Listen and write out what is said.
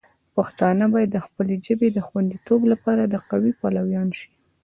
پښتانه باید د خپلې ژبې د خوندیتوب لپاره د قوی پلویان شي.